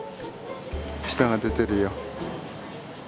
舌が出てるよ。